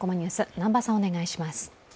南波さん、お願いします。